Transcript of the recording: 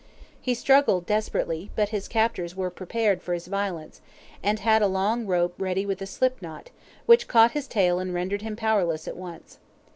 He struggled desperately, but his captors were prepared for his violence, and had a long rope ready with a slip knot, which caught his tail and rendered him powerless at once.